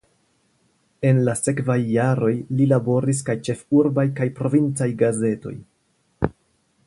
En la sekvaj jaroj li laboris kaj ĉefurbaj kaj provincaj gazetoj.